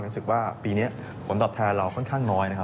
รู้สึกว่าปีนี้ผลตอบแทนเราค่อนข้างน้อยนะครับ